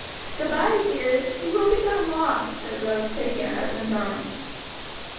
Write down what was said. "Good bye, dears, we won't be gone long." said Rose, taking her husband's arm.